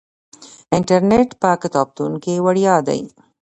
انټرنیټ په کتابتون کې وړیا دی.